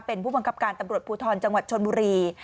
เป็นผู้บังคับการตำรวจภูทรจังหวัดชนบุรี